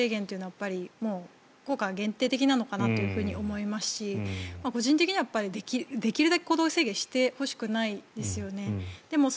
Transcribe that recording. やっぱりもう今回限定的なのかなと思いますし個人的にはできるだけ行動制限はしてほしくないですよね。